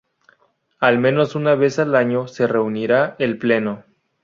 Al menos una vez al año se reunirá el pleno.